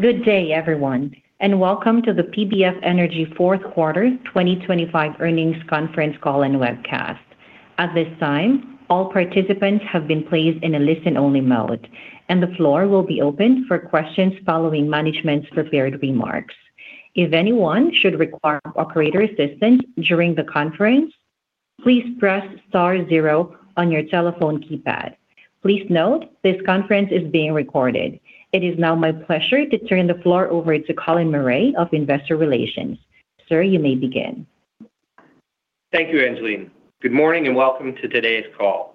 Good day, everyone, and welcome to the PBF Energy Q4 2025 Earnings Conference Call and Webcast. At this time, all participants have been placed in a listen-only mode, and the floor will be opened for questions following management's prepared remarks. If anyone should require operator assistance during the conference, please press star zero on your telephone keypad. Please note, this conference is being recorded. It is now my pleasure to turn the floor over to Colin Murray of Investor Relations. Sir, you may begin. Thank you, Angeline. Good morning, and welcome to today's call.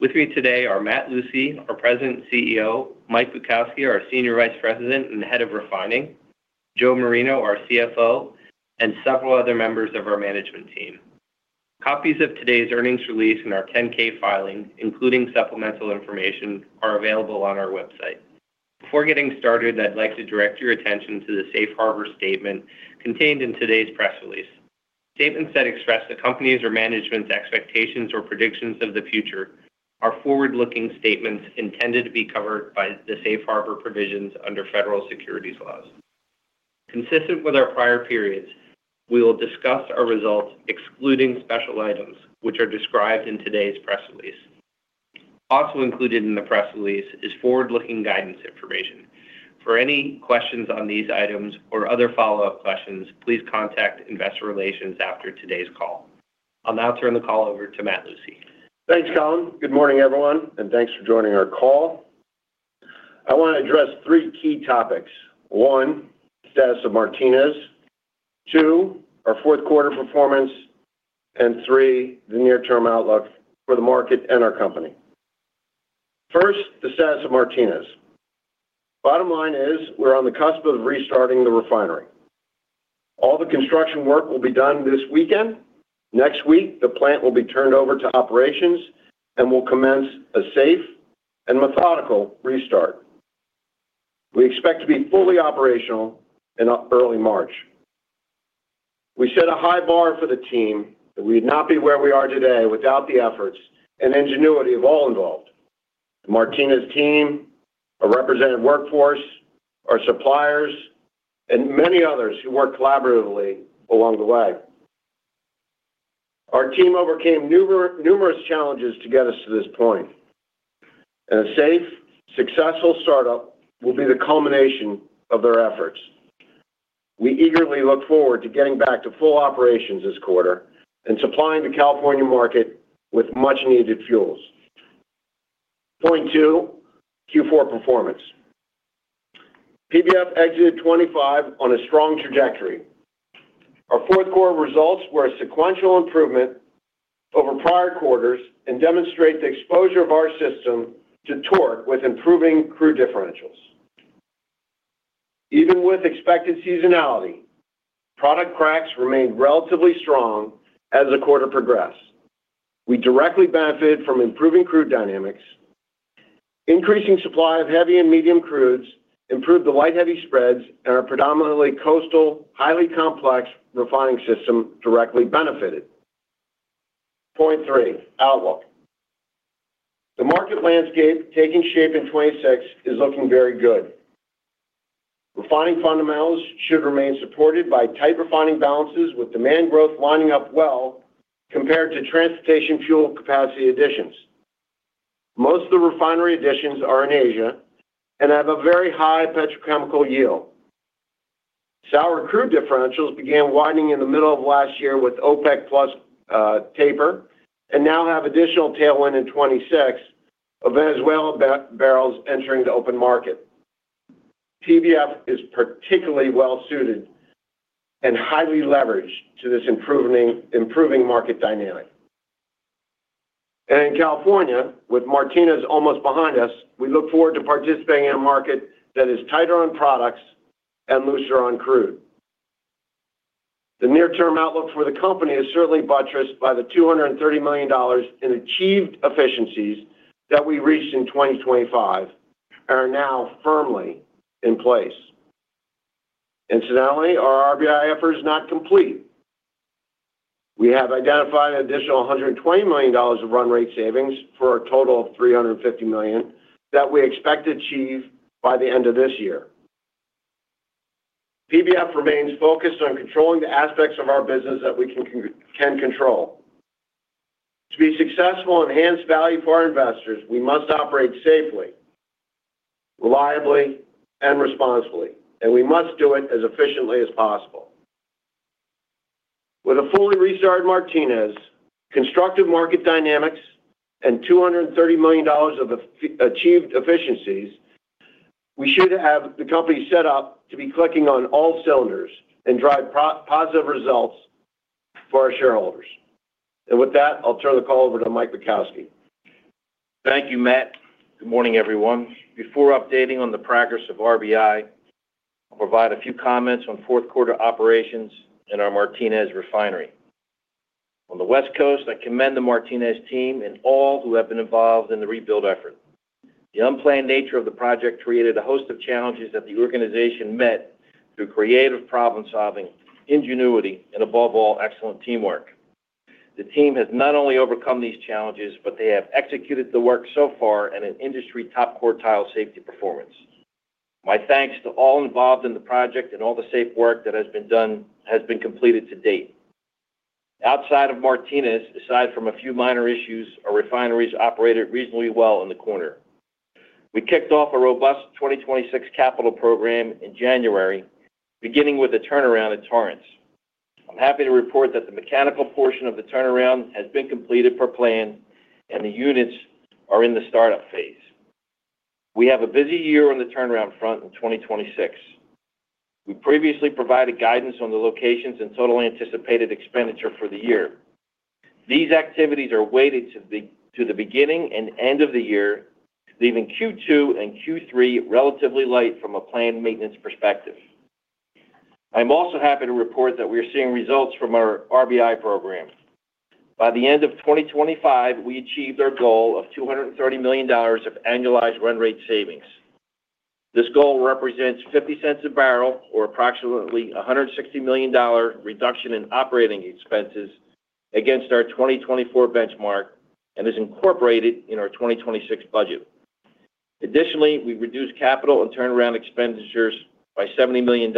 With me today are Matt Lucey, our President and CEO, Mike Bukowski, our Senior Vice President and Head of Refining, Joe Marino, our CFO, and several other members of our management team. Copies of today's earnings release and our 10-K filing, including supplemental information, are available on our website. Before getting started, I'd like to direct your attention to the Safe Harbor statement contained in today's press release. Statements that express the company's or management's expectations or predictions of the future are forward-looking statements intended to be covered by the Safe Harbor provisions under federal securities laws. Consistent with our prior periods, we will discuss our results, excluding special items, which are described in today's press release. Also included in the press release is forward-looking guidance information. For any questions on these items or other follow-up questions, please contact Investor Relations after today's call. I'll now turn the call over to Matt Lucey. Thanks, Colin. Good morning, everyone, and thanks for joining our call. I want to address three key topics: one, status of Martinez; two, our Q4 performance; and three, the near-term outlook for the market and our company. First, the status of Martinez. Bottom line is we're on the cusp of restarting the refinery. All the construction work will be done this weekend. Next week, the plant will be turned over to operations and will commence a safe and methodical restart. We expect to be fully operational in early March. We set a high bar for the team, and we'd not be where we are today without the efforts and ingenuity of all involved. The Martinez team, our representative workforce, our suppliers, and many others who worked collaboratively along the way. Our team overcame numerous challenges to get us to this point, and a safe, successful startup will be the culmination of their efforts. We eagerly look forward to getting back to full operations this quarter and supplying the California market with much-needed fuels. Point two, Q4 performance. PBF exited 2025 on a strong trajectory. Our Q4 results were a sequential improvement over prior quarters and demonstrate the exposure of our system to torque with improving crude differentials. Even with expected seasonality, product cracks remained relatively strong as the quarter progressed. We directly benefit from improving crude dynamics. Increasing supply of heavy and medium crudes improved the light-heavy spreads and our predominantly coastal, highly complex refining system directly benefited. Point three, outlook. The market landscape taking shape in 2026 is looking very good. Refining fundamentals should remain supported by tight refining balances, with demand growth lining up well compared to transportation fuel capacity additions. Most of the refinery additions are in Asia and have a very high petrochemical yield. Sour crude differentials began widening in the middle of last year with OPEC+ taper and now have additional tailwind in 2026 of Venezuela barrels entering the open market. PBF is particularly well-suited and highly leveraged to this improving market dynamic. In California, with Martinez almost behind us, we look forward to participating in a market that is tighter on products and looser on crude. The near-term outlook for the company is certainly buttressed by the $230 million in achieved efficiencies that we reached in 2025 and are now firmly in place. Incidentally, our RBI effort is not complete. We have identified an additional $120 million of run rate savings for a total of $350 million that we expect to achieve by the end of this year. PBF remains focused on controlling the aspects of our business that we can control. To be successful enhance value for our investors, we must operate safely, reliably, and responsibly, and we must do it as efficiently as possible. With a fully restarted Martinez, constructive market dynamics, and $230 million of achieved efficiencies, we should have the company set up to be clicking on all cylinders and drive positive results for our shareholders. And with that, I'll turn the call over to Mike Bukowski. Thank you, Matt. Good morning, everyone. Before updating on the progress of RBI, I'll provide a few comments on Q4 operations in our Martinez refinery. On the West Coast, I commend the Martinez team and all who have been involved in the rebuild effort. The unplanned nature of the project created a host of challenges that the organization met through creative problem-solving, ingenuity, and, above all, excellent teamwork. The team has not only overcome these challenges, but they have executed the work so far at an industry top-quartile safety performance. My thanks to all involved in the project and all the safe work that has been done, has been completed to date. Outside of Martinez, aside from a few minor issues, our refineries operated reasonably well in the quarter. We kicked off a robust 2026 capital program in January, beginning with a turnaround at Torrance. I'm happy to report that the mechanical portion of the turnaround has been completed per plan, and the units are in the startup phase. We have a busy year on the turnaround front in 2026. We previously provided guidance on the locations and total anticipated expenditure for the year. These activities are weighted to the beginning and end of the year, leaving Q2 and Q3 relatively light from a planned maintenance perspective. I'm also happy to report that we are seeing results from our RBI program. By the end of 2025, we achieved our goal of $230 million of annualized run rate savings. This goal represents $0.50 a barrel, or approximately $160 million reduction in operating expenses against our 2024 benchmark and is incorporated in our 2026 budget. Additionally, we've reduced capital and turnaround expenditures by $70 million.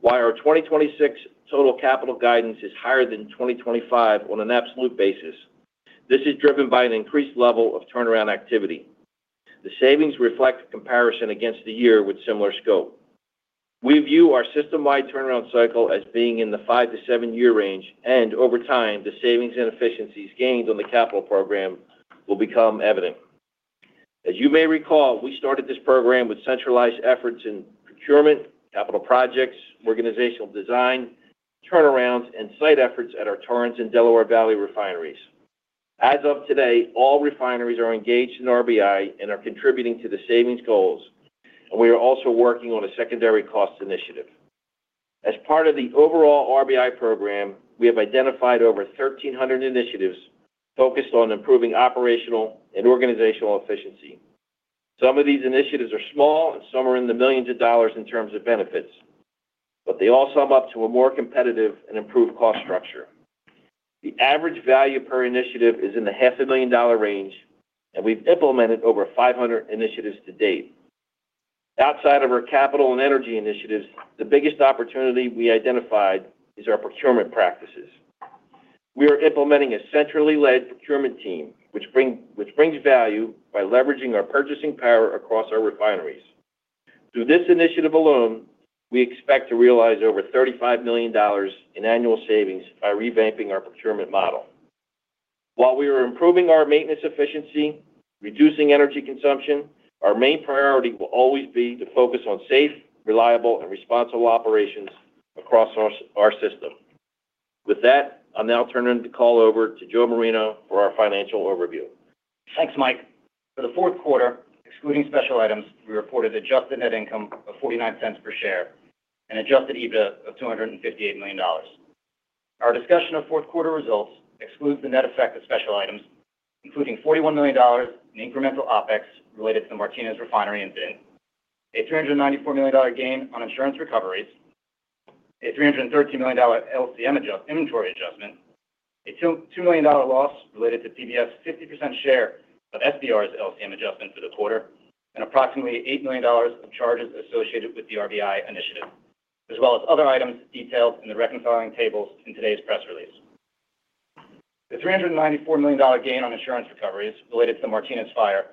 While our 2026 total capital guidance is higher than 2025 on an absolute basis, this is driven by an increased level of turnaround activity. The savings reflect a comparison against the year with similar scope. We view our system-wide turnaround cycle as being in the 5-7-year range, and over time, the savings and efficiencies gained on the capital program will become evident. As you may recall, we started this program with centralized efforts in procurement, capital projects, organizational design, turnarounds, and site efforts at our Torrance and Delaware Valley refineries. As of today, all refineries are engaged in RBI and are contributing to the savings goals, and we are also working on a secondary cost initiative. As part of the overall RBI program, we have identified over 1,300 initiatives focused on improving operational and organizational efficiency. Some of these initiatives are small, and some are in the millions of dollars in terms of benefits, but they all sum up to a more competitive and improved cost structure. The average value per initiative is in the $500,000 range, and we've implemented over 500 initiatives to date. Outside of our capital and energy initiatives, the biggest opportunity we identified is our procurement practices. We are implementing a centrally led procurement team, which brings value by leveraging our purchasing power across our refineries. Through this initiative alone, we expect to realize over $35 million in annual savings by revamping our procurement model. While we are improving our maintenance efficiency, reducing energy consumption, our main priority will always be to focus on safe, reliable, and responsible operations across our system. With that, I'll now turn the call over to Joe Marino for our financial overview. Thanks, Mike. For the Q4, excluding special items, we reported adjusted net income of $0.49 per share and Adjusted EBITDA of $258 million. Our discussion of Q4 results excludes the net effect of special items, including $41 million in incremental OpEx related to the Martinez refinery and SBR, a $394 million gain on insurance recoveries, a $313 million LCM inventory adjustment, a $22 million loss related to PBF's 50% share of SBR's LCM adjustment for the quarter, and approximately $8 million of charges associated with the RBI initiative, as well as other items detailed in the reconciling tables in today's press release. The $394 million gain on insurance recoveries related to the Martinez fire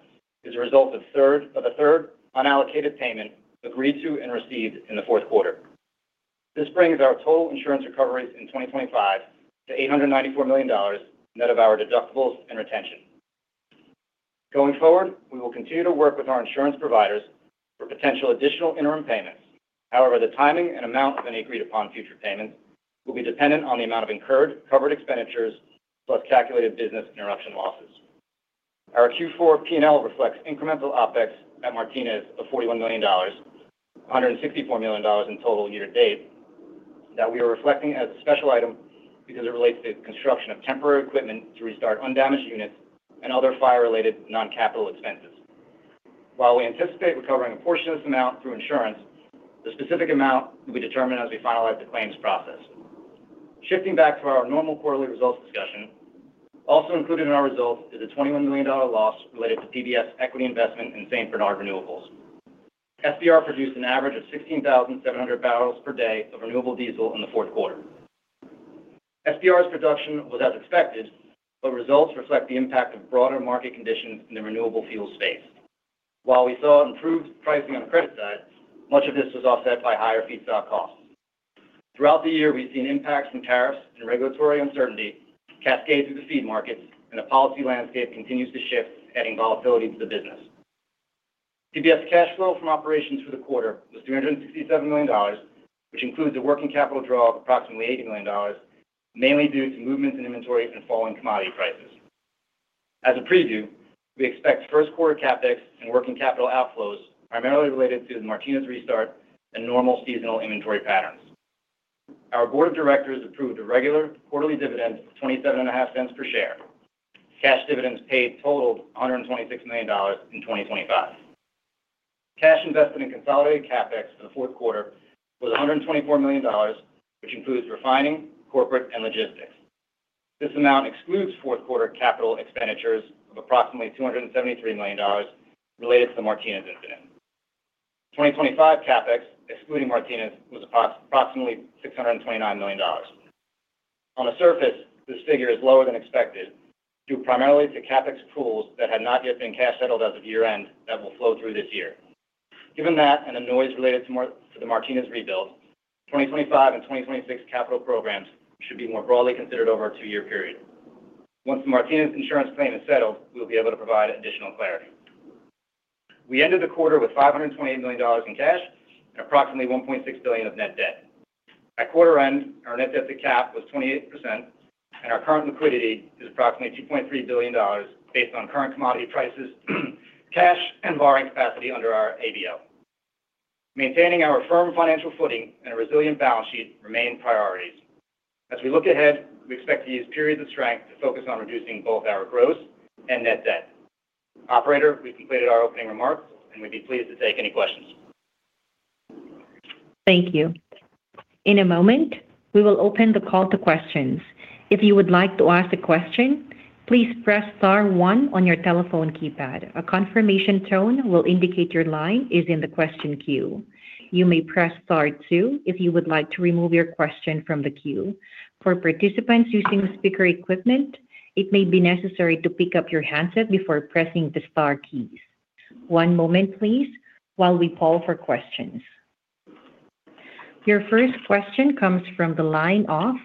is a result of a third unallocated payment agreed to and received in the Q4. This brings our total insurance recoveries in 2025 to $894 million net of our deductibles and retention. Going forward, we will continue to work with our insurance providers for potential additional interim payments. However, the timing and amount of any agreed-upon future payments will be dependent on the amount of incurred covered expenditures plus calculated business interruption losses. Our Q4 P&L reflects incremental OpEx at Martinez of $41 million, $164 million in total year to date, that we are reflecting as a special item because it relates to the construction of temporary equipment to restart undamaged units and other fire-related non-capital expenses. While we anticipate recovering a portion of this amount through insurance, the specific amount will be determined as we finalize the claims process. Shifting back to our normal quarterly results discussion, also included in our results is a $21 million loss related to PBF's equity investment in St. Bernard Renewables. SBR produced an average of 16,700 barrels per day of renewable diesel in the Q4. SBR's production was as expected, but results reflect the impact of broader market conditions in the renewable fuel space. While we saw improved pricing on the credit side, much of this was offset by higher feedstock costs. Throughout the year, we've seen impacts from tariffs and regulatory uncertainty cascade through the seed markets, and the policy landscape continues to shift, adding volatility to the business. PBF cash flow from operations for the quarter was $367 million, which includes a working capital draw of approximately $80 million, mainly due to movements in inventory and falling commodity prices. As a preview, we expect Q1 CapEx and working capital outflows primarily related to the Martinez restart and normal seasonal inventory patterns. Our board of directors approved a regular quarterly dividend of $0.275 per share. Cash dividends paid totaled $126 million in 2025. ...Cash invested in consolidated CapEx in the Q4 was $124 million, which includes refining, corporate, and logistics. This amount excludes Q4 capital expenditures of approximately $273 million related to the Martinez incident. 2025 CapEx, excluding Martinez, was approximately $629 million. On the surface, this figure is lower than expected, due primarily to CapEx pools that had not yet been cash settled as of year-end that will flow through this year. Given that and the noise related to the Martinez rebuild, 2025 and 2026 capital programs should be more broadly considered over a two-year period. Once the Martinez insurance claim is settled, we will be able to provide additional clarity. We ended the quarter with $528 million in cash and approximately $1.6 billion of net debt. At quarter end, our net debt to cap was 28%, and our current liquidity is approximately $2.3 billion based on current commodity prices, cash, and borrowing capacity under our ABL. Maintaining our firm financial footing and a resilient balance sheet remain priorities. As we look ahead, we expect to use periods of strength to focus on reducing both our gross and net debt. Operator, we've completed our opening remarks, and we'd be pleased to take any questions. Thank you. In a moment, we will open the call to questions. If you would like to ask a question, please press star one on your telephone keypad. A confirmation tone will indicate your line is in the question queue. You may press star two if you would like to remove your question from the queue. For participants using speaker equipment, it may be necessary to pick up your handset before pressing the star keys. One moment, please, while we call for questions. Your first question comes from the line of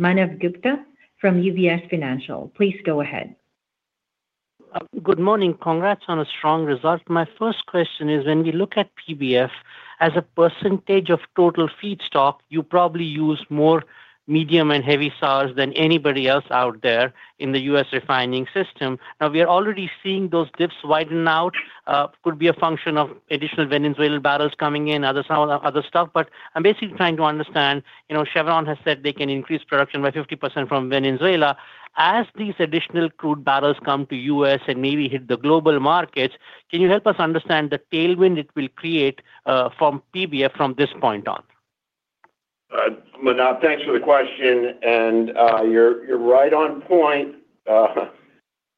Manav Gupta from UBS Financial. Please go ahead. Good morning. Congrats on a strong result. My first question is, when we look at PBF as a percentage of total feedstock, you probably use more medium and heavy sours than anybody else out there in the U.S. refining system. Now, we are already seeing those diffs widen out, could be a function of additional Venezuelan barrels coming in, other sour, other stuff. But I'm basically trying to understand, you know, Chevron has said they can increase production by 50% from Venezuela. As these additional crude barrels come to U.S. and maybe hit the global markets, can you help us understand the tailwind it will create, from PBF from this point on? Manav, thanks for the question, and you're right on point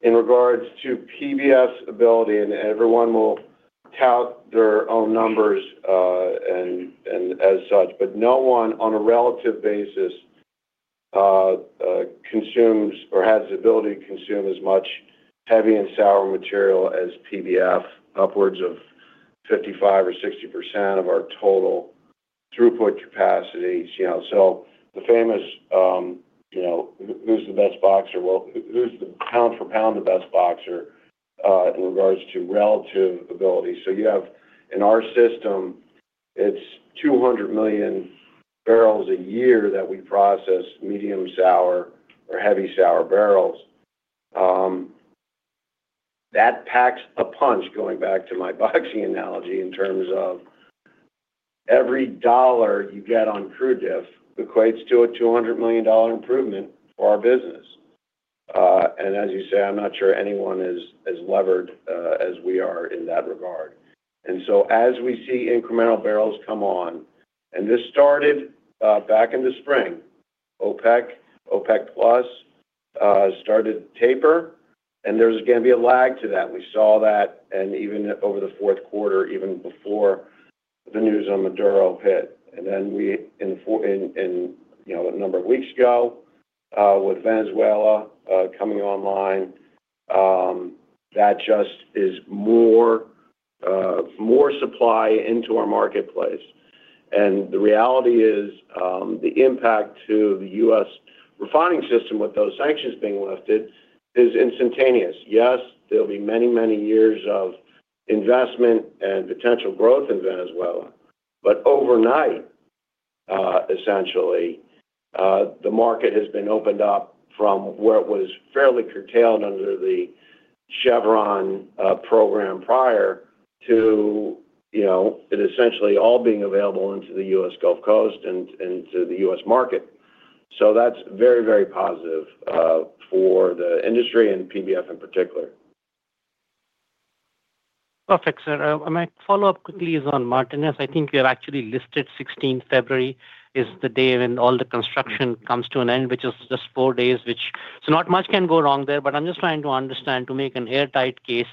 in regards to PBF's ability, and everyone will tout their own numbers, and as such. But no one on a relative basis consumes or has the ability to consume as much heavy and sour material as PBF, upwards of 55% or 60% of our total throughput capacity. You know, so the famous, you know, who, who's the best boxer? Well, who's the pound for pound the best boxer in regards to relative ability. So you have, in our system, it's 200 million barrels a year that we process medium sour or heavy sour barrels. That packs a punch, going back to my boxing analogy, in terms of every dollar you get on crude diff equates to a $200 million improvement for our business. And as you say, I'm not sure anyone is as levered as we are in that regard. And so as we see incremental barrels come on, and this started back in the spring, OPEC, OPEC+, started taper, and there's gonna be a lag to that. We saw that and even over the Q4, even before the news on Maduro hit. And then, you know, a number of weeks ago, with Venezuela coming online, that just is more, more supply into our marketplace. And the reality is, the impact to the U.S. refining system with those sanctions being lifted is instantaneous. Yes, there'll be many, many years of investment and potential growth in Venezuela, but overnight, essentially, the market has been opened up from where it was fairly curtailed under the Chevron program prior to, you know, it essentially all being available into the US Gulf Coast and to the US market. So that's very, very positive for the industry and PBF in particular. Perfect, sir. My follow-up quickly is on Martinez. I think you have actually listed February 16 as the day when all the construction comes to an end, which is just 4 days. So not much can go wrong there, but I'm just trying to understand to make an airtight case,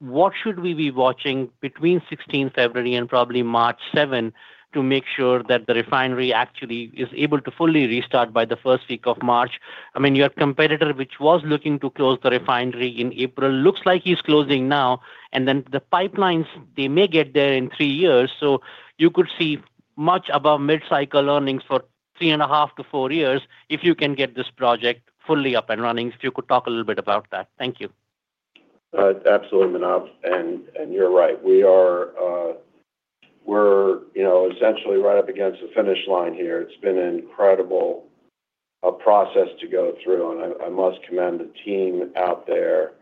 what should we be watching between February 16 and probably March 7 to make sure that the refinery actually is able to fully restart by the first week of March? I mean, your competitor, which was looking to close the refinery in April, looks like he's closing now and then the pipelines, they may get there in 3 years. So you could see much above mid-cycle earnings for 3.5-4 years if you can get this project fully up and running. If you could talk a little bit about that. Thank you. Absolutely, Manav, and you're right. We are, we're, you know, essentially right up against the finish line here. It's been an incredible process to go through, and I must commend the team out there.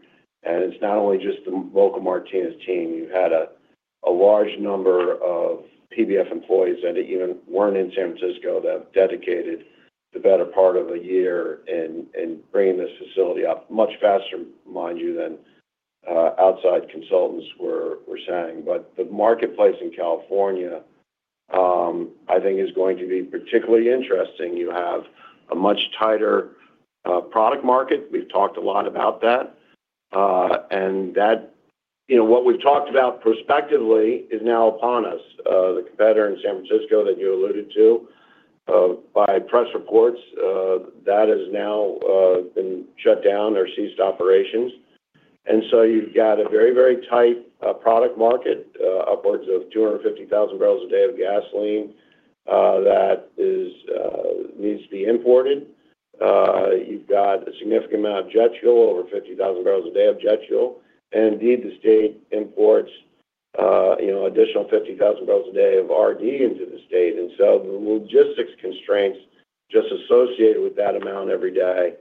And it's not only just the local Martinez team. You've had a large number of PBF employees that even weren't in San Francisco, that have dedicated the better part of a year in bringing this facility up much faster, mind you, than outside consultants were saying. But the marketplace in California, I think is going to be particularly interesting. You have a much tighter product market. We've talked a lot about that. And that, you know, what we've talked about prospectively is now upon us. The competitor in San Francisco that you alluded to, by press reports, that has now been shut down or ceased operations. And so you've got a very, very tight product market, upwards of 250,000 barrels a day of gasoline that needs to be imported. You've got a significant amount of jet fuel, over 50,000 barrels a day of jet fuel. And indeed, the state imports, you know, additional 50,000 barrels a day of RD into the state. And so the logistics constraints just associated with that amount every day,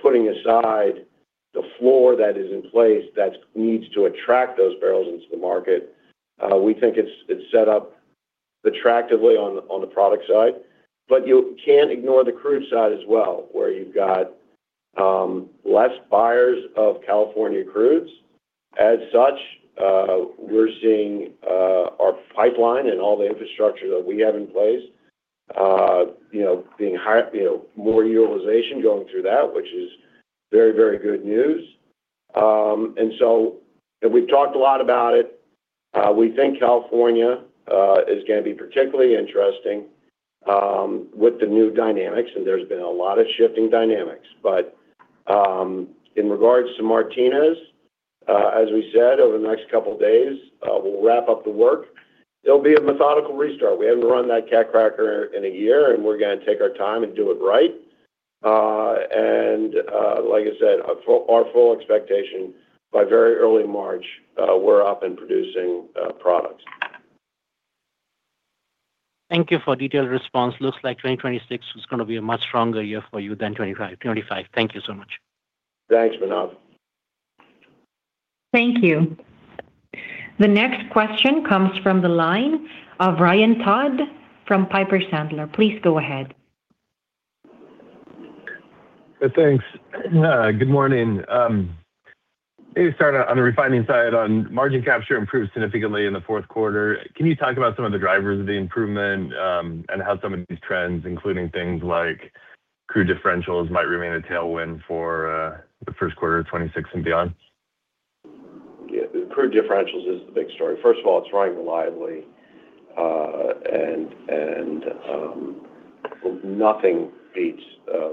putting aside the floor that is in place that needs to attract those barrels into the market, we think it's set up attractively on the product side. But you can't ignore the crude side as well, where you've got less buyers of California crudes. As such, we're seeing our pipeline and all the infrastructure that we have in place, you know, being high, you know, more utilization going through that, which is very, very good news. And so we've talked a lot about it. We think California is gonna be particularly interesting with the new dynamics, and there's been a lot of shifting dynamics. But in regards to Martinez, as we said, over the next couple of days, we'll wrap up the work. There'll be a methodical restart. We haven't run that cat cracker in a year, and we're gonna take our time and do it right. Like I said, our full expectation, by very early March, we're up and producing products. Thank you for detailed response. Looks like 2026 is gonna be a much stronger year for you than 2025, 2025. Thank you so much. Thanks, Manav. Thank you. The next question comes from the line of Ryan Todd from Piper Sandler. Please go ahead. Thanks. Good morning. Maybe start on the refining side on margin capture improved significantly in the Q4. Can you talk about some of the drivers of the improvement, and how some of these trends, including things like Crude Differentials, might remain a tailwind for the Q1 of 2026 and beyond? Yeah, the crude differentials is the big story. First of all, it's running reliably, and nothing beats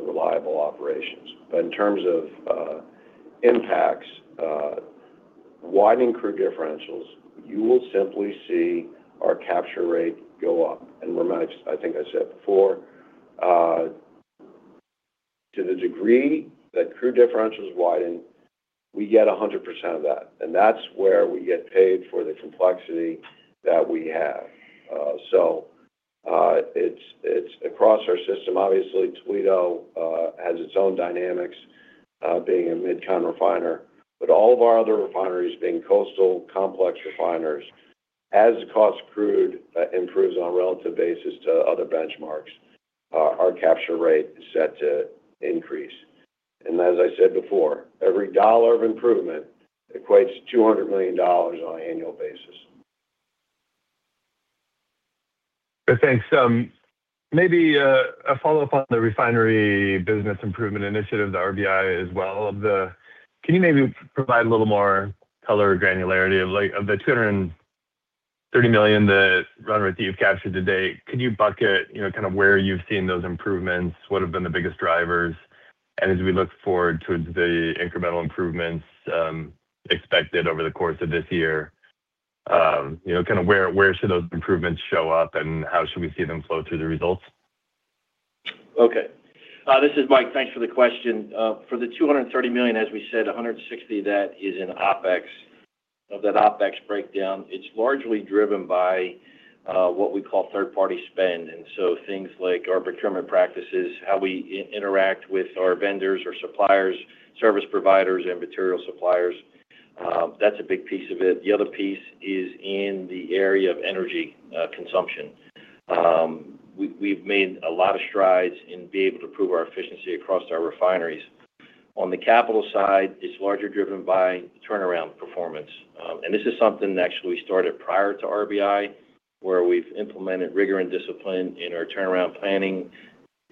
reliable operations. But in terms of impacts, widening crude differentials, you will simply see our capture rate go up. And I think I said before, to the degree that crude differentials widen, we get 100% of that, and that's where we get paid for the complexity that we have. So, it's across our system. Obviously, Toledo has its own dynamics, being a Mid-Con refiner, but all of our other refineries being coastal complex refiners, as the cost of crude improves on a relative basis to other benchmarks, our capture rate is set to increase. And as I said before, every dollar of improvement equates to $200 million on an annual basis. Thanks. Maybe a follow-up on the Refinery Business Improvement Initiative, the RBI as well. Can you maybe provide a little more color or granularity of, like, of the $230 million, the run rate that you've captured to date? Could you bucket, you know, kind of where you've seen those improvements? What have been the biggest drivers? And as we look forward to the incremental improvements expected over the course of this year, you know, kind of where, where should those improvements show up, and how should we see them flow through the results? Okay. This is Mike. Thanks for the question. For the $230 million, as we said, $160 million, that is in OpEx. Of that OpEx breakdown, it's largely driven by what we call third-party spend, and so things like our procurement practices, how we interact with our vendors or suppliers, service providers, and material suppliers, that's a big piece of it. The other piece is in the area of energy consumption. We've made a lot of strides in being able to prove our efficiency across our refineries. On the capital side, it's largely driven by turnaround performance. And this is something that actually started prior to RBI, where we've implemented rigor and discipline in our turnaround planning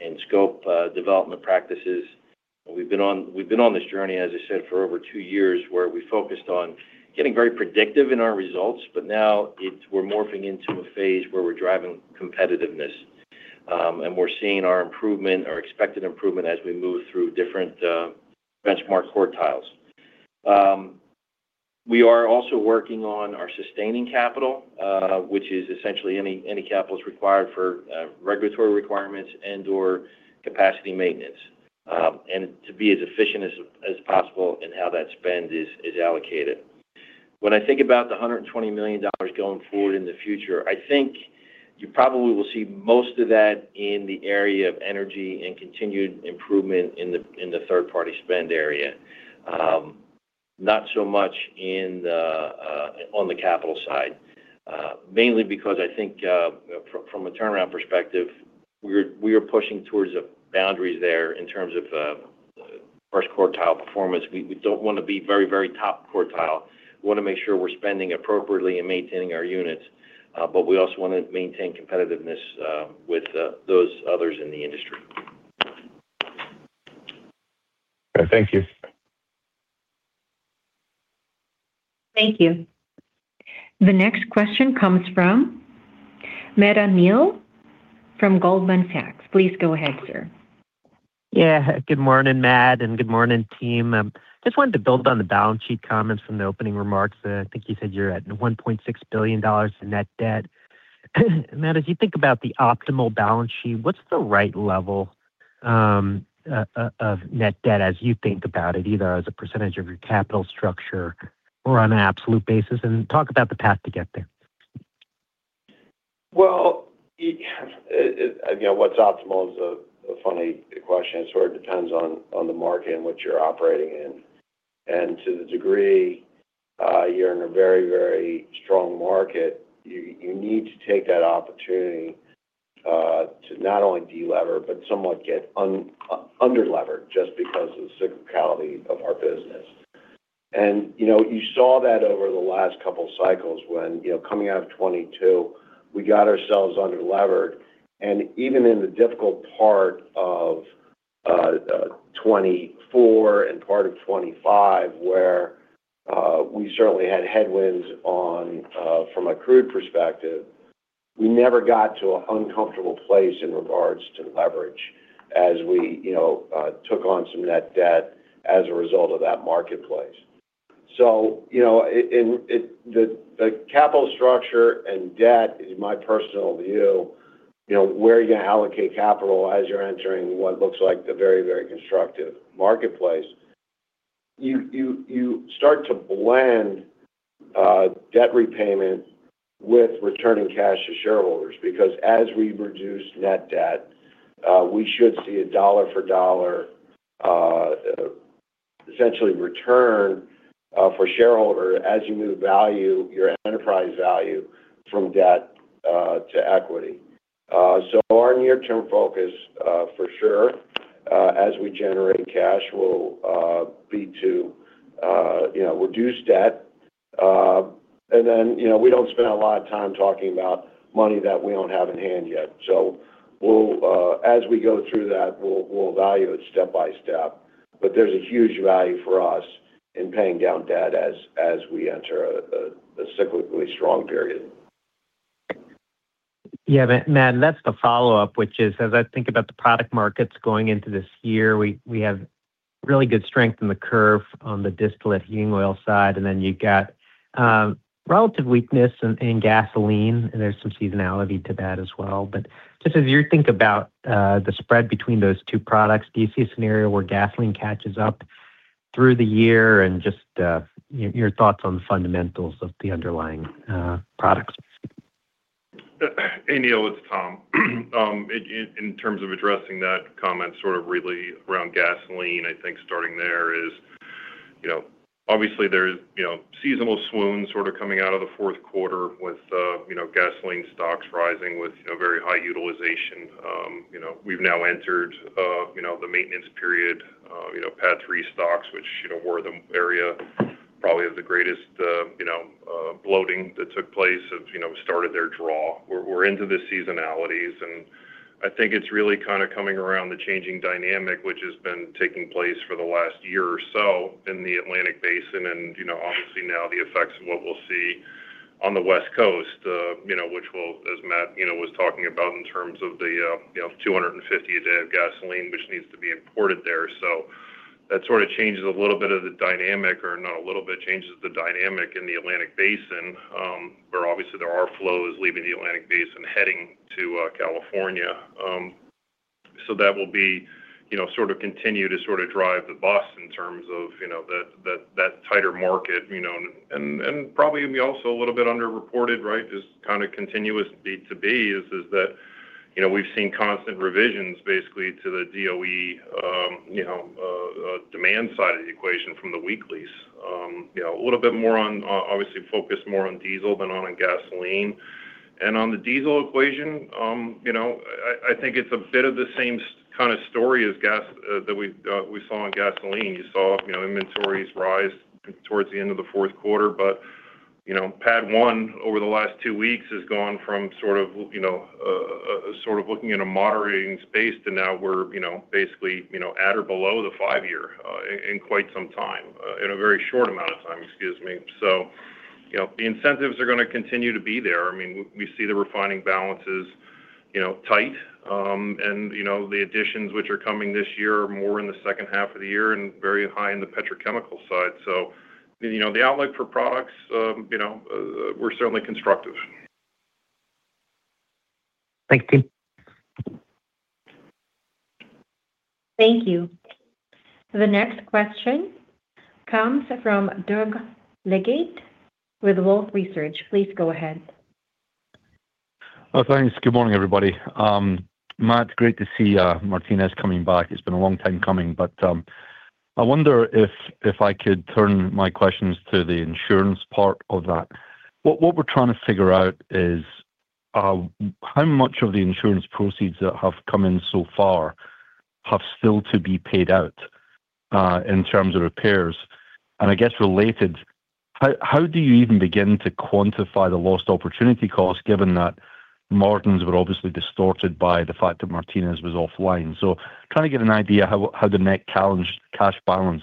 and scope development practices. We've been on, we've been on this journey, as I said, for over two years, where we focused on getting very predictive in our results, but now it's, we're morphing into a phase where we're driving competitiveness. And we're seeing our improvement, our expected improvement as we move through different benchmark quartiles. We are also working on our sustaining capital, which is essentially any capital required for regulatory requirements and/or capacity maintenance, and to be as efficient as possible in how that spend is allocated. When I think about the $120 million going forward in the future, I think you probably will see most of that in the area of energy and continued improvement in the third-party spend area. Not so much in the on the capital side, mainly because I think from a turnaround perspective, we're pushing towards the boundaries there in terms of first quartile performance. We don't want to be very top quartile. We wanna make sure we're spending appropriately and maintaining our units, but we also wanna maintain competitiveness with those others in the industry. Thank you. Thank you. The next question comes from Matt Amil from Goldman Sachs. Please go ahead, sir. Yeah. Good morning, Matt, and good morning, team. Just wanted to build on the balance sheet comments from the opening remarks. I think you said you're at $1.6 billion in net debt. Matt, as you think about the optimal balance sheet, what's the right level of net debt as you think about it, either as a percentage of your capital structure or on an absolute basis? And talk about the path to get there. Well, you know, what's optimal is a funny question. It sort of depends on the market in which you're operating in. And to the degree you're in a very, very strong market, you need to take that opportunity to not only delever, but somewhat get underlevered, just because of the cyclicality of our business. And, you know, you saw that over the last couple of cycles when, you know, coming out of 2022, we got ourselves underlevered. And even in the difficult part of 2024 and part of 2025, where we certainly had headwinds on from a crude perspective, we never got to an uncomfortable place in regards to leverage, as we, you know, took on some net debt as a result of that marketplace. So, you know, the capital structure and debt is my personal view, you know, where are you gonna allocate capital as you're entering what looks like a very, very constructive marketplace? You start to blend debt repayment with returning cash to shareholders, because as we reduce net debt, we should see a dollar-for-dollar essentially return for shareholder as you move value, your enterprise value from debt to equity. So our near-term focus, for sure, as we generate cash, will be to, you know, reduce debt. And then, you know, we don't spend a lot of time talking about money that we don't have in hand yet. So we'll, as we go through that, we'll value it step by step. But there's a huge value for us in paying down debt as we enter a cyclically strong period. Yeah. Matt, that's the follow-up, which is, as I think about the product markets going into this year, we have really good strength in the curve on the distillate heating oil side, and then you've got relative weakness in gasoline, and there's some seasonality to that as well. But just as you think about the spread between those two products, do you see a scenario where gasoline catches up through the year? And just your thoughts on the fundamentals of the underlying products. Hey, Neil, it's Tom. In terms of addressing that comment, sort of really around gasoline, I think starting there is, you know, obviously there's, you know, seasonal swoon sort of coming out of the Q4 with, you know, gasoline stocks rising with, you know, very high utilization. You know, we've now entered, you know, the maintenance period, you know, PADD 3 stocks, which, you know, were the area probably of the greatest, you know, bloating that took place of, you know, started their draw. We're into the seasonalities, and I think it's really kind of coming around the changing dynamic, which has been taking place for the last year or so in the Atlantic Basin. You know, obviously now the effects of what we'll see on the West Coast, you know, which will, as Matt, you know, was talking about in terms of the, you know, 250 a day of gasoline, which needs to be imported there. So that sort of changes a little bit of the dynamic, or not a little bit, changes the dynamic in the Atlantic Basin, where obviously there are flows leaving the Atlantic Basin heading to California. So that will be, you know, sort of continue to sort of drive the bus in terms of, you know, that, that, that tighter market, you know, and, and, and probably also a little bit underreported, right? Just kind of continuous week-to-week is that, you know, we've seen constant revisions basically to the DOE, you know, demand side of the equation from the weeklies. You know, a little bit more on, obviously focused more on diesel than on gasoline. And on the diesel equation, you know, I think it's a bit of the same kind of story as gas, that we saw in gasoline. You saw, you know, inventories rise towards the end of the Q4, but, you know, PADD 1 over the last two weeks has gone from sort of, you know, sort of looking at a moderating space to now we're, you know, basically, you know, at or below the five-year, in quite some time, in a very short amount of time, excuse me. So, you know, the incentives are gonna continue to be there. I mean, we see the refining balances, you know, tight. You know, the additions which are coming this year are more in the second half of the year and very high in the petrochemical side. So, you know, the outlook for products, you know, we're certainly constructive. Thanks, team. Thank you. The next question comes from Doug Leggate with Wolfe Research. Please go ahead.... Oh, thanks. Good morning, everybody. Matt, great to see Martinez coming back. It's been a long time coming, but I wonder if, if I could turn my questions to the insurance part of that. What, what we're trying to figure out is, how much of the insurance proceeds that have come in so far have still to be paid out, in terms of repairs? And I guess related, how, how do you even begin to quantify the lost opportunity cost, given that margins were obviously distorted by the fact that Martinez was offline? So trying to get an idea how, how the net cash balance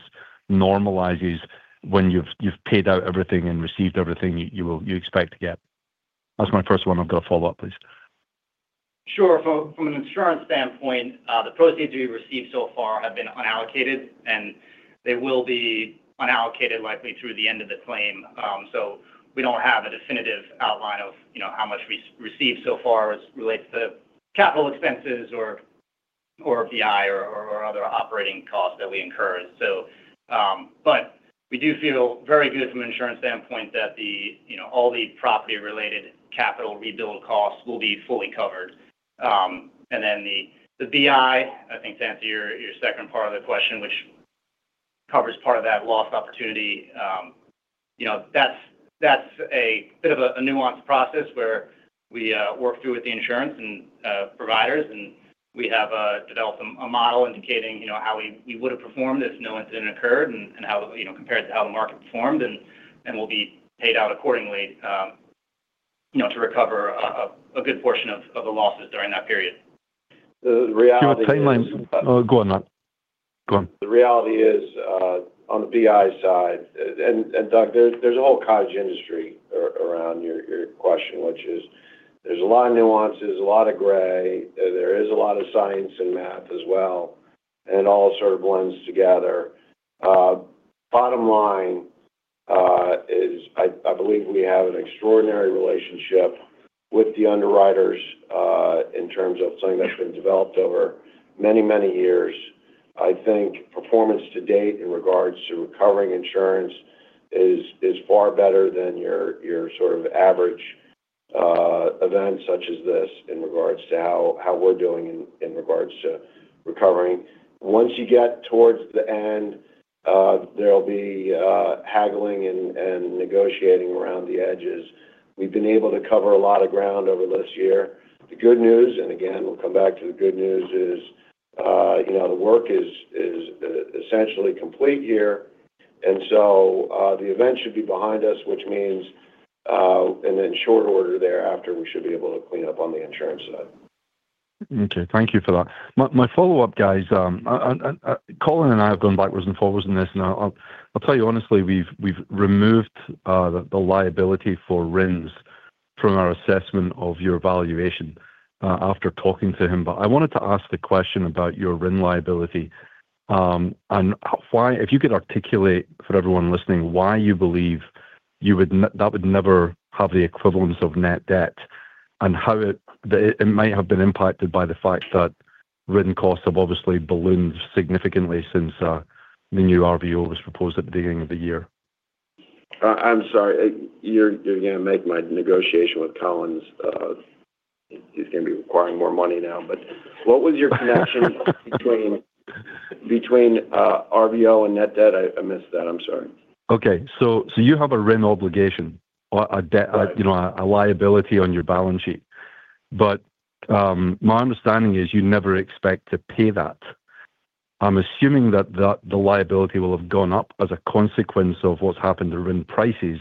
normalizes when you've paid out everything and received everything you will, you expect to get. That's my first one. I've got a follow-up, please. Sure. From an insurance standpoint, the proceeds we've received so far have been unallocated, and they will be unallocated likely through the end of the claim. So we don't have a definitive outline of, you know, how much we've received so far as relates to capital expenses or BI or other operating costs that we incurred. But we do feel very good from an insurance standpoint that, you know, all the property-related capital rebuild costs will be fully covered. And then the BI, I think to answer your second part of the question, which covers part of that lost opportunity, you know, that's a bit of a nuanced process where we work through with the insurance and providers, and we have developed a model indicating, you know, how we would have performed if no incident occurred, and how, you know, compared to how the market performed, and we'll be paid out accordingly, you know, to recover a good portion of the losses during that period. The reality is- Give a timeline. Oh, go on, Matt. Go on. The reality is, on the BI side, and, Doug, there's a whole cottage industry around your question, which is there's a lot of nuances, a lot of gray, there is a lot of science and math as well, and it all sort of blends together. Bottom line is I believe we have an extraordinary relationship with the underwriters, in terms of something that's been developed over many, many years. I think performance to date in regards to recovering insurance is far better than your sort of average event such as this in regards to how we're doing in regards to recovering. Once you get towards the end, there'll be haggling and negotiating around the edges. We've been able to cover a lot of ground over this year. The good news, and again, we'll come back to the good news, is, you know, the work is essentially complete here, and so, the event should be behind us, which means, and in short order thereafter, we should be able to clean up on the insurance side. Okay. Thank you for that. My follow-up, guys, and Colin and I have gone backwards and forwards in this, and I'll tell you honestly, we've removed the liability for RINs from our assessment of your valuation after talking to him. But I wanted to ask the question about your RIN liability, and why, if you could articulate for everyone listening, why you believe that would never have the equivalence of net debt, and how it might have been impacted by the fact that RIN costs have obviously ballooned significantly since the new RVO was proposed at the beginning of the year. I'm sorry, you're gonna make my negotiation with Colin. He's gonna be requiring more money now. But what was your connection between RVO and net debt? I missed that. I'm sorry. Okay. So, you have a RIN obligation or a debt- Right... you know, a liability on your balance sheet. But my understanding is you never expect to pay that. I'm assuming that the liability will have gone up as a consequence of what's happened to RIN prices.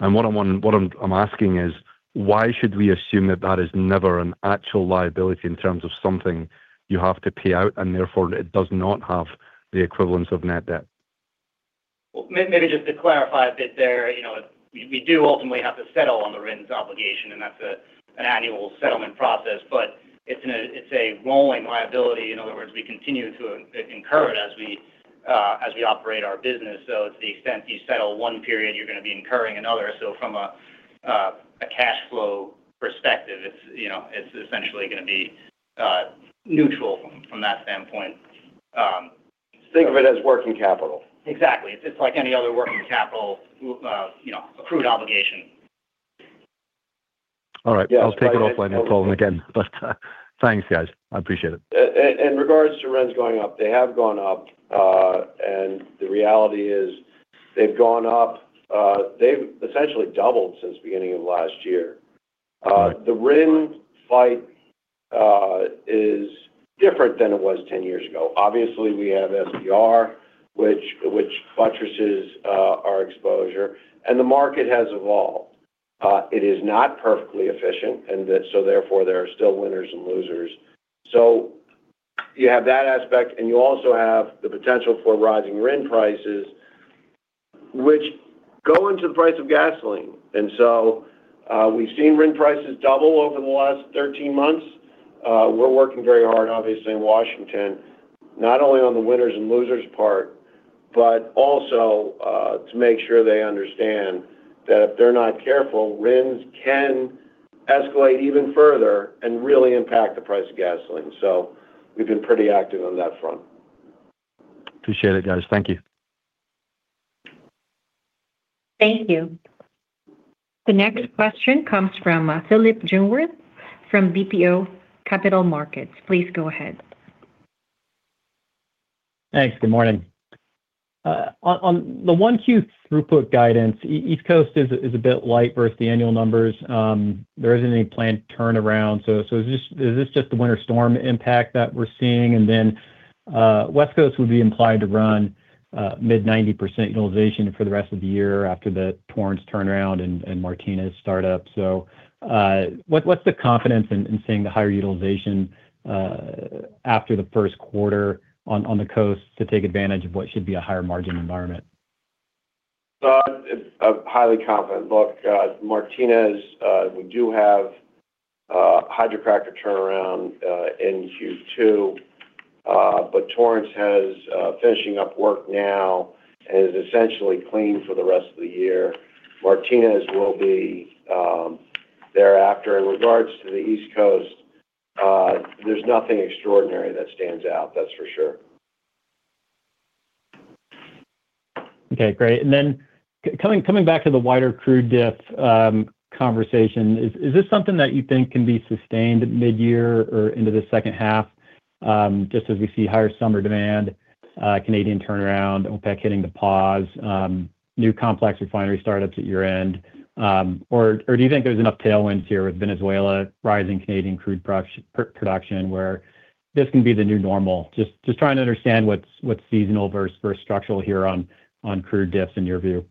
And what I'm asking is, why should we assume that that is never an actual liability in terms of something you have to pay out, and therefore, it does not have the equivalence of Net Debt? Well, maybe just to clarify a bit there, you know, we do ultimately have to settle on the RINs obligation, and that's an annual settlement process, but it's a rolling liability. In other words, we continue to incur it as we operate our business. So to the extent you settle one period, you're gonna be incurring another. So from a cash flow perspective, it's, you know, it's essentially gonna be neutral from that standpoint. Think of it as working capital. Exactly. It's just like any other working capital, you know, accrued obligation. All right. Yeah. I'll take it offline with Colin again, but thanks, guys. I appreciate it. In regards to RINs going up, they have gone up, and the reality is they've gone up. They've essentially doubled since the beginning of last year. The RIN fight is different than it was 10 years ago. Obviously, we have SBR, which buttresses our exposure, and the market has evolved. It is not perfectly efficient, and that so therefore, there are still winners and losers. So you have that aspect, and you also have the potential for rising RIN prices, which go into the price of gasoline. And so, we've seen RIN prices double over the last 13 months. We're working very hard, obviously, in Washington, not only on the winners' and losers' part, but also to make sure they understand that if they're not careful, RINs can escalate even further and really impact the price of gasoline. So we've been pretty active on that front. Appreciate it, guys. Thank you. ... Thank you. The next question comes from Philip Jungwirth from BMO Capital Markets. Please go ahead. Thanks. Good morning. On the 1Q throughput guidance, East Coast is a bit light versus the annual numbers. There isn't any planned turnaround, so is this just the winter storm impact that we're seeing? And then, West Coast would be implied to run mid-90% utilization for the rest of the year after the Torrance turnaround and Martinez startup. So, what’s the confidence in seeing the higher utilization after the Q1 on the coast to take advantage of what should be a higher margin environment? It's a highly confident look. Martinez, we do have a hydrocracker turnaround in Q2, but Torrance has finishing up work now and is essentially clean for the rest of the year. Martinez will be thereafter. In regards to the East Coast, there's nothing extraordinary that stands out, that's for sure. Okay, great. And then coming back to the wider crude diff conversation, is this something that you think can be sustained midyear or into the second half, just as we see higher summer demand, Canadian turnaround, OPEC hitting the pause, new complex refinery startups at your end? Or do you think there's enough tailwinds here with Venezuela, rising Canadian crude production, where this can be the new normal? Just trying to understand what's seasonal versus structural here on crude diffs in your view.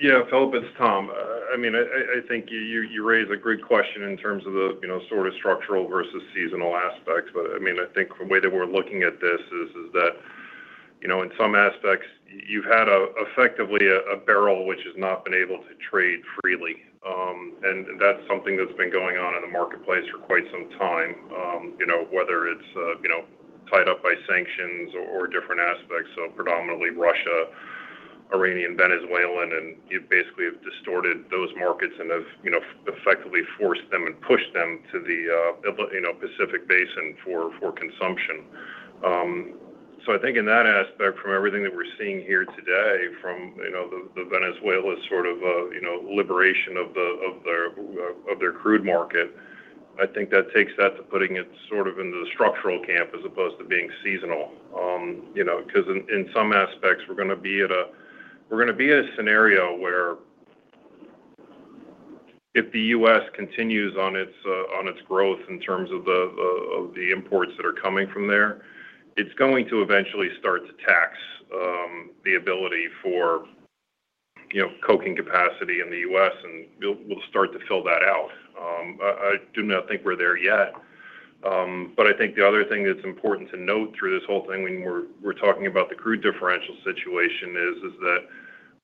Yeah, Philip, it's Tom. I mean, I think you raise a great question in terms of the, you know, sort of structural versus seasonal aspects. But, I mean, I think the way that we're looking at this is that, you know, in some aspects, you've had effectively a barrel which has not been able to trade freely. And that's something that's been going on in the marketplace for quite some time. You know, whether it's you know tied up by sanctions or different aspects. So predominantly Russia, Iranian, Venezuelan, and you basically have distorted those markets and have, you know, effectively forced them and pushed them to the you know Pacific Basin for consumption. So I think in that aspect, from everything that we're seeing here today, from, you know, the Venezuela sort of, you know, liberation of their crude market, I think that takes that to putting it sort of into the structural camp as opposed to being seasonal. You know, 'cause in some aspects, we're gonna be at a scenario where if the U.S. continues on its growth in terms of the imports that are coming from there, it's going to eventually start to tax the ability for, you know, coking capacity in the U.S., and we'll start to fill that out. I do not think we're there yet. But I think the other thing that's important to note through this whole thing when we're talking about the crude differential situation is that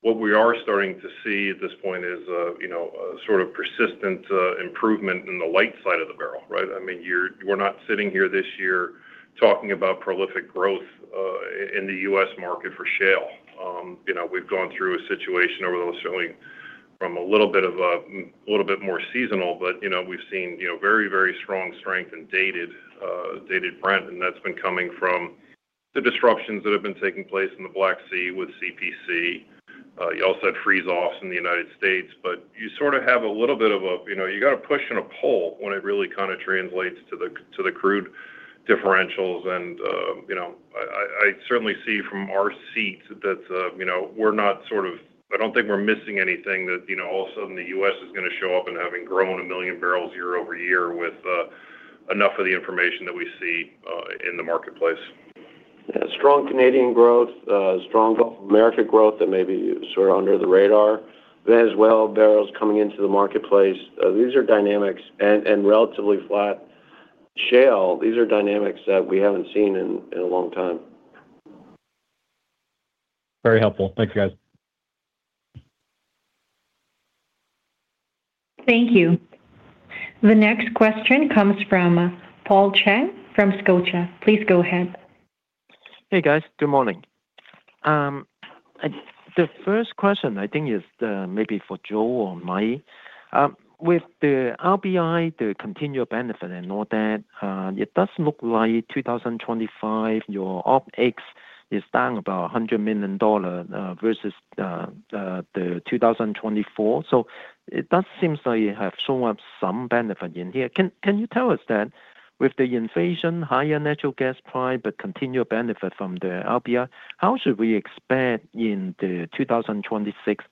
what we are starting to see at this point is, you know, a sort of persistent improvement in the light side of the barrel, right? I mean, we're not sitting here this year talking about prolific growth in the U.S. market for shale. You know, we've gone through a situation where those showing from a little bit of a little bit more seasonal, but, you know, we've seen, you know, very, very strong strength in Dated Brent, and that's been coming from the disruptions that have been taking place in the Black Sea with CPC. You also had freeze-offs in the United States, but you sort of have a little bit of a, you know, you got a push and a pull when it really kind of translates to the, to the crude differentials. And, you know, I certainly see from our seats that, you know, we're not sort of—I don't think we're missing anything that, you know, all of a sudden the U.S. is gonna show up and having grown 1 million barrels year-over-year with enough of the information that we see in the marketplace. Yeah, strong Canadian growth, strong Gulf of Mexico growth that may be sort of under the radar. Venezuela barrels coming into the marketplace. These are dynamics and relatively flat shale. These are dynamics that we haven't seen in a long time. Very helpful. Thank you, guys. Thank you. The next question comes from Paul Cheng from Scotia. Please go ahead. Hey, guys. Good morning. The first question, I think, is maybe for Joe or Mike. With the RBI to continue to benefit and all that, it does look like 2025, your OpEx is down about $100 million versus the 2024. So it does seem like you have shown up some benefit in here. Can you tell us that with the inflation, higher natural gas price, but continued benefit from the RBI, how should we expect in the 2026,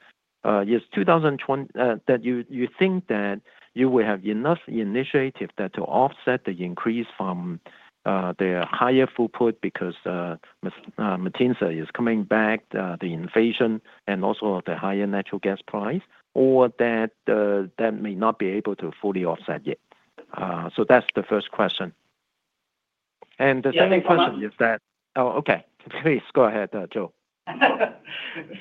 yes, 2026... That you think that you will have enough initiative that to offset the increase from the higher throughput because Martinez is coming back, the inflation and also the higher natural gas price, or that that may not be able to fully offset yet? So that's the first question. And the second question is that- Yeah, follow up. Oh, okay. Please go ahead, Joe.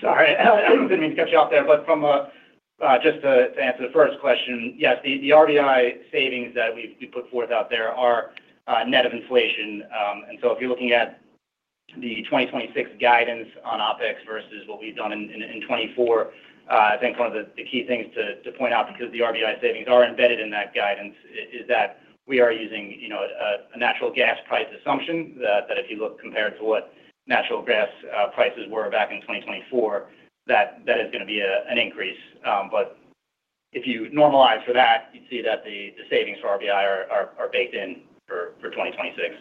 Sorry, I didn't mean to cut you off there, but from just to answer the first question, yes, the RBI savings that we put forth out there are net of inflation. And so if you're looking at the 2026 guidance on OpEx versus what we've done in 2024, I think one of the key things to point out, because the RBI savings are embedded in that guidance, is that we are using, you know, a natural gas price assumption, that if you look compared to what natural gas prices were back in 2024, that is gonna be an increase. But if you normalize for that, you'd see that the savings for RBI are baked in for 2026.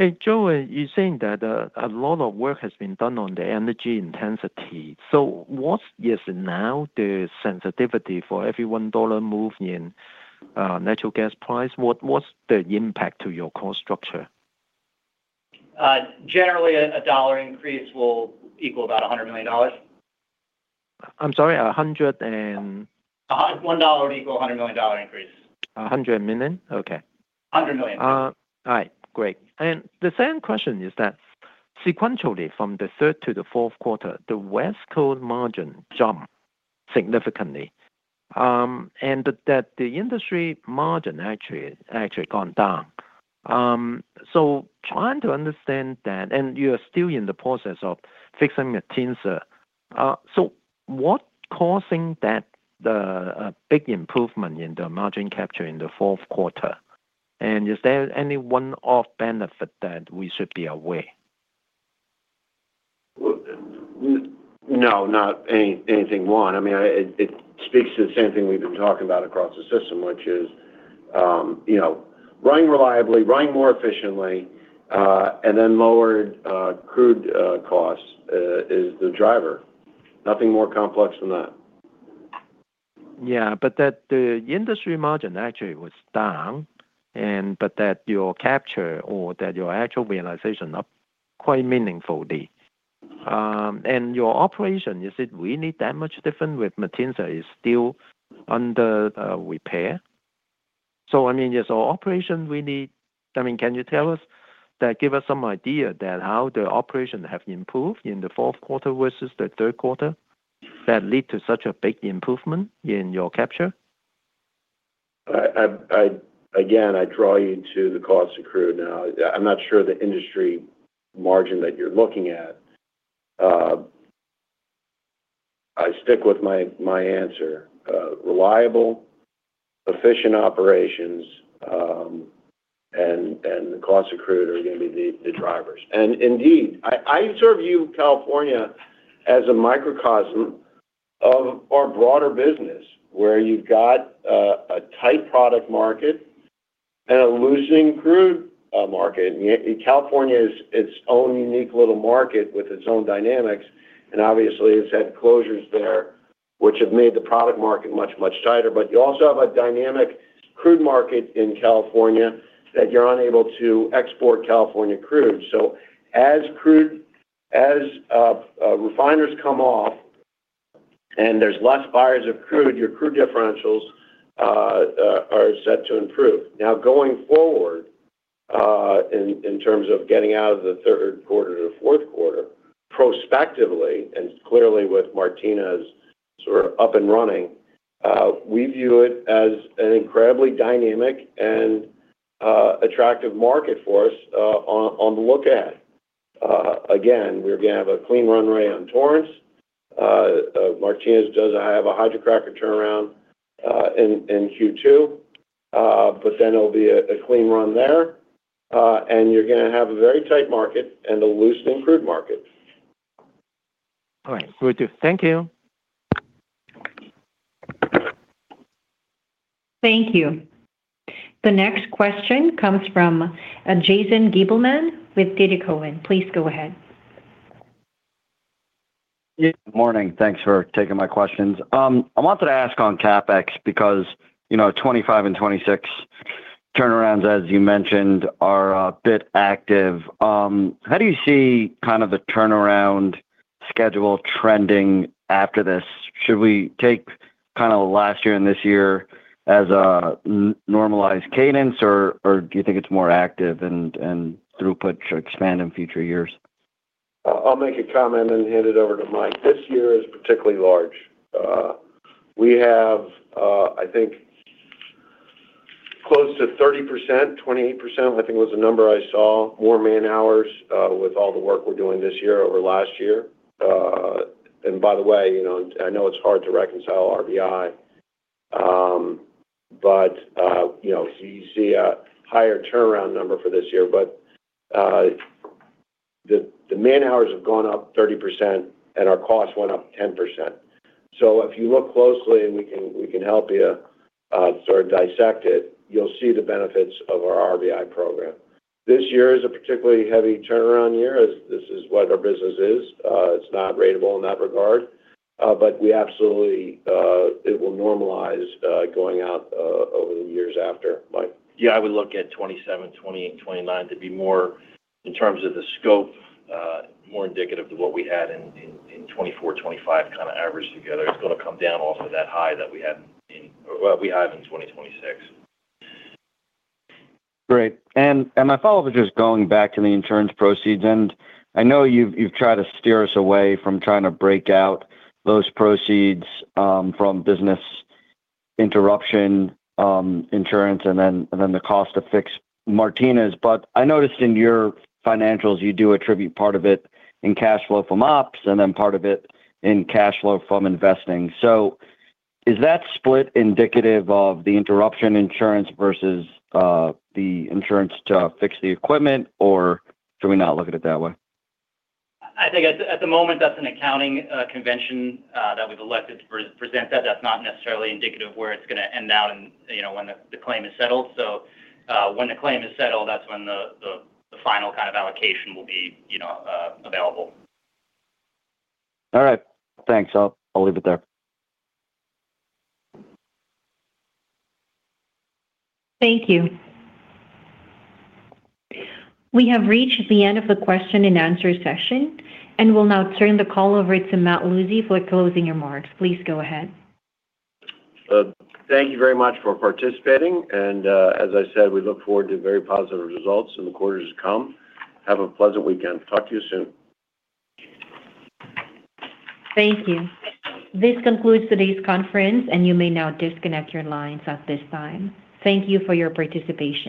Hey, Joe, you're saying that a lot of work has been done on the energy intensity. So what is now the sensitivity for every $1 move in natural gas price? What's the impact to your cost structure? Generally, a $1 increase will equal about $100 million. I'm sorry, 100 and? $1 would equal a $100 million increase. $100 million? Okay. $100 million, yes. All right, great. And the second question is that sequentially, from the third to the Q4, the West Coast margin jumped significantly. And but that the industry margin actually gone down. So trying to understand that, and you are still in the process of fixing the Martinez. So what causing that, the big improvement in the margin capture in the Q4? And is there any one-off benefit that we should be aware? Well, no, not anything one. I mean, it, it speaks to the same thing we've been talking about across the system, which is, you know, running reliably, running more efficiently, and then lower crude costs is the driver. Nothing more complex than that. Yeah, but that the industry margin actually was down, and but that your capture or that your actual realization up quite meaningfully. And your operation, is it really that much different with Martinez is still under repair? So I mean, is our operation really—I mean, can you tell us that, give us some idea that how the operation have improved in the Q4 versus the Q3, that lead to such a big improvement in your capture? Again, I draw you to the cost of crude now. I'm not sure the industry margin that you're looking at. I stick with my answer. Reliable, efficient operations, and the cost of crude are gonna be the drivers. And indeed, I sort of view California as a microcosm of our broader business, where you've got a tight product market and a loosening crude market. And yet, California is its own unique little market with its own dynamics, and obviously, it's had closures there, which have made the product market much tighter. But you also have a dynamic crude market in California, that you're unable to export California crude. So as refiners come off and there's less buyers of crude, your crude differentials are set to improve. Now, going forward, in terms of getting out of the Q3 to the Q4, prospectively, and clearly with Martinez sort of up and running, we view it as an incredibly dynamic and attractive market for us, on the look at. Again, we're gonna have a clean runway on Torrance. Martinez does have a hydrocracker turnaround in Q2, but then it'll be a clean run there. And you're gonna have a very tight market and a loosening crude market. All right. Good to... Thank you. Thank you. The next question comes from Jason Gabelman with D.A. Davidson. Please go ahead. Yeah, good morning. Thanks for taking my questions. I wanted to ask on CapEx, because, you know, 2025 and 2026 turnarounds, as you mentioned, are a bit active. How do you see kind of the turnaround schedule trending after this? Should we take kinda last year and this year as a normalized cadence, or do you think it's more active and throughput should expand in future years? I'll make a comment and hand it over to Mike. This year is particularly large. We have, I think close to 30%, 28%, I think, was the number I saw, more man-hours, with all the work we're doing this year over last year. And by the way, you know, I know it's hard to reconcile RBI, but, you know, you see a higher turnaround number for this year, but, the, the man-hours have gone up 30%, and our costs went up 10%. So if you look closely, and we can, we can help you, sort of dissect it, you'll see the benefits of our RBI program. This year is a particularly heavy turnaround year, as this is what our business is. It's not ratable in that regard, but we absolutely, it will normalize, going out, over the years after. Mike? Yeah, I would look at 27, 20, and 29 to be more, in terms of the scope, more indicative to what we had in 2024, 2025 kind of averaged together. It's gonna come down off of that high that we had in, well, we have in 2026. Great. My follow-up is just going back to the insurance proceeds. I know you've tried to steer us away from trying to break out those proceeds from business interruption insurance and then the cost to fix Martinez. But I noticed in your financials, you do attribute part of it in cash flow from ops and then part of it in cash flow from investing. Is that split indicative of the interruption insurance versus the insurance to fix the equipment, or do we not look at it that way? I think at the moment, that's an accounting convention that we've elected to present, that that's not necessarily indicative of where it's gonna end out and, you know, when the claim is settled. So, when the claim is settled, that's when the final kind of allocation will be, you know, available. All right. Thanks. I'll leave it there. Thank you. We have reached the end of the question and answer session, and we'll now turn the call over to Matt Lucey for closing remarks. Please go ahead. Thank you very much for participating, and, as I said, we look forward to very positive results in the quarters to come. Have a pleasant weekend. Talk to you soon. Thank you. This concludes today's conference, and you may now disconnect your lines at this time. Thank you for your participation.